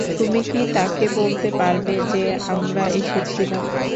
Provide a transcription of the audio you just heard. তুমি কি তাকে বলতে পারবে যে আমরা এসেছিলাম?